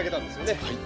はい。